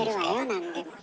なんでも。